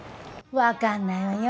わかんないわよ。